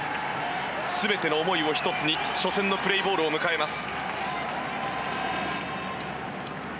全ての思いを１つに初戦のプレイボールを迎えます。